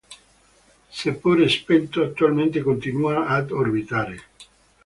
Seppure spento, attualmente continua ad orbitare.